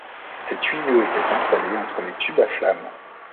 Ces tuyaux étaient installés entre les tubes à flamme.